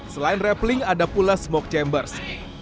selain rappling ada pula smoke chambers